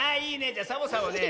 じゃサボさんはね